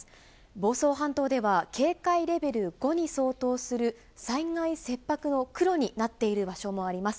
房総半島では、警戒レベル５に相当する、災害切迫の黒になっている場所もあります。